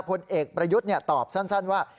พลเอกประยุทธ์เนี่ยตอบสั้นว่า